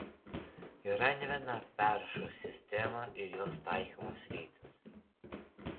Yra ne viena perrašos sistema ir jos taikymo sritis.